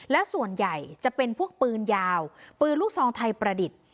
และส่วนใหญ่จะเป็นพวกปืนยาวปืนลูกซองไทยประดิษฐ์